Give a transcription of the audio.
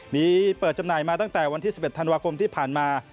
มีเปิดจำหน่ายมาตั้งแต่วันที่๑๑ธันวาคมที่ผ่านมา